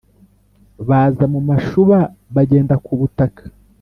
Baza mu mashuba bagenda ku butaka,